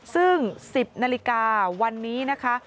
ซึ่ง๑๐นาฬิกาวันนี้นะคะ